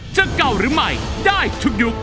จะเก่าหรือใหม่ได้ทุกยุค